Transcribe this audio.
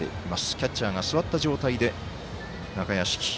キャッチャーが座った状態で中屋敷。